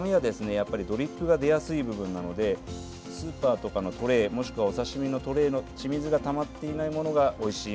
やっぱりドリップが出やすい部分なのでスーパーとかのトレーもしくはお刺身のトレーの血水が溜まっていないものがおいしい